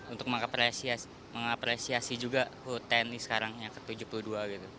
untuk mengapresiasi juga tni sekarang yang ke tujuh puluh dua gitu